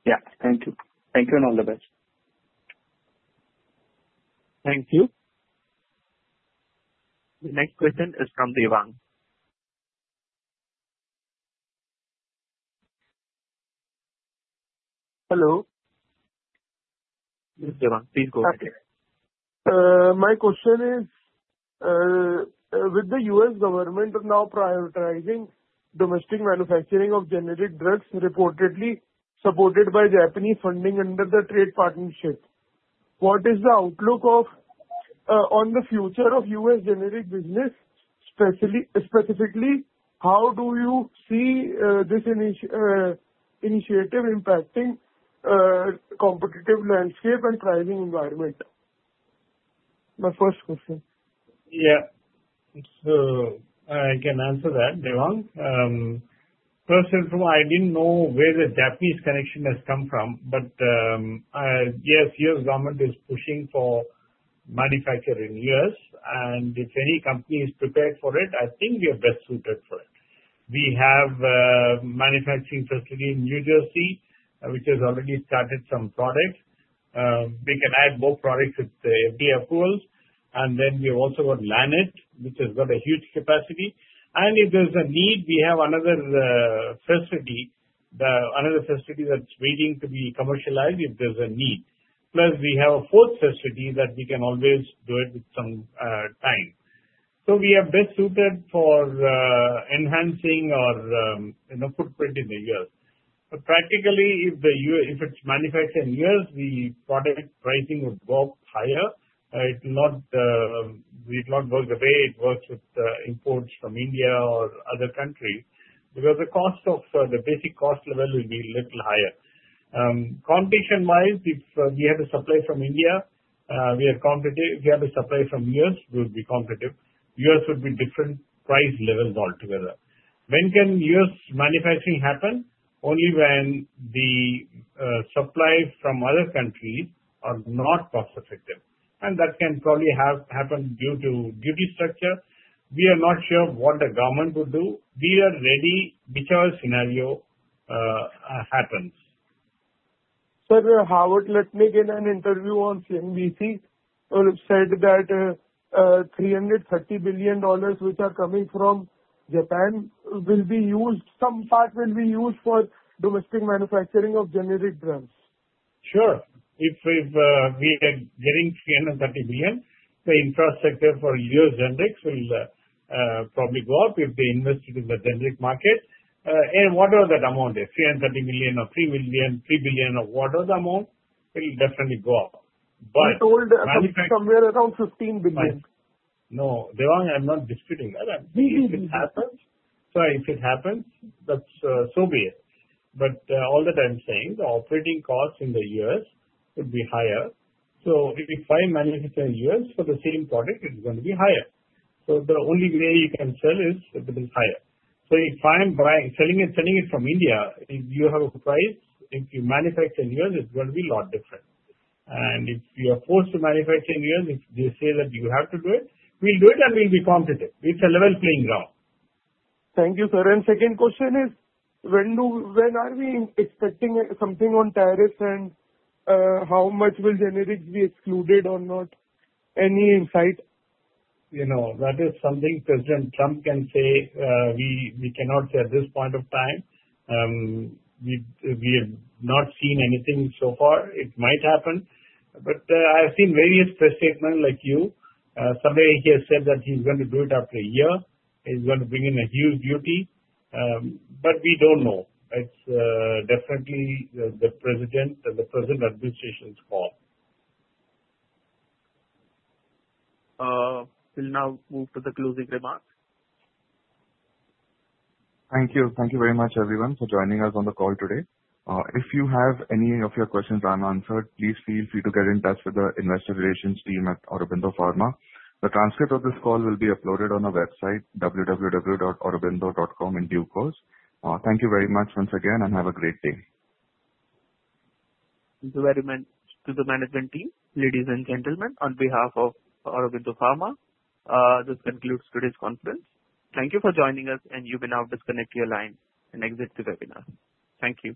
Yeah, thank you. Thank you and all the best. Thank you. The next question is from Devang. Hello. Devang, please go. My question is, with the U.S. government now prioritizing domestic manufacturing of generic drugs, reportedly supported by Japanese funding under the trade partnership, what is the outlook on the future of U.S. generic business? Specifically, how do you see this initiative impacting the competitive landscape and pricing environment? My first question. Yeah. I can answer that, Devang. First is, I didn't know where the Japanese connection has come from, but yes, U.S. government is pushing for manufacturing in the U.S. If any company is prepared for it, I think we are best suited for it. We have a manufacturing facility in New Jersey, which has already started some products. We can add more products with the FDA approvals. We also got Lannett Company, which has got a huge capacity. If there's a need, we have another facility that's waiting to be commercialized if there's a need. Plus, we have a host facility that we can always do it with some time. We are best suited for enhancing our footprint in the U.S. Practically, if it's manufactured in the U.S., the product pricing would go up higher. It's not, we've not worked with it. It works with imports from India or other countries because the basic cost level will be a little higher. Competition-wise, if we had a supply from India, we had a competitive supply from the U.S., we would be competitive. U.S. would be a different price level altogether. When can U.S. manufacturing happen? Only when the supplies from other countries are not cost-effective. That can probably happen due to duty structure. We are not sure what the government will do. We are ready whichever scenario happens. Sir, we have Howard Lutnick in an interview on CNBC who said that $330 billion, which are coming from Japan, will be used, some part will be used for domestic manufacturing of generic brands. Sure. If we are getting $330 billion, the infrastructure for U.S. generics will probably go up if they invested in the generic market. Whatever that amount is, $330 million or $3 billion or whatever the amount, it will definitely go up. He told us somewhere around $15 billion. No, Devang, I'm not disputing that. If it happens, that's so be it. All that I'm saying, the operating cost in the U.S. would be higher. If I manufacture in the U.S. for the same product, it's going to be higher. The only way you can sell is a little higher. If I'm selling and selling it from India, if you have a price, if you manufacture in the U.S., it's going to be a lot different. If you are forced to manufacture in the U.S., if they say that you have to do it, we'll do it and we'll be competitive. It's a level playing ground. Thank you, sir. Second question is, when are we expecting something on tariffs and how much will generics be excluded or not? Any insight? You know, that is something President Trump can say. We cannot say at this point of time. We have not seen anything so far. It might happen. I've seen various press statements like you. Somewhere he has said that he's going to do it after a year. He's going to bring in a huge duty. We don't know. It's definitely the President and the President of the administration's call. We will now move to the closing remarks. Thank you. Thank you very much, everyone, for joining us on the call today. If you have any of your questions unanswered, please feel free to get in touch with the Investor Relations team at Aurobindo Pharma Limited. The transcript of this call will be uploaded on our website, www.aurobindo.com, in due course. Thank you very much once again and have a great day. To the management team, ladies and gentlemen, on behalf of Aurobindo Pharma, this concludes today's conference. Thank you for joining us, and you may now disconnect your line and exit the webinar. Thank you.